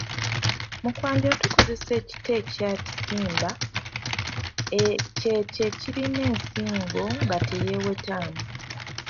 Mu kwanjula tukozesa ekita ekya “kisimba” , kyekyo ekirina ensingo nga teyeewetamu.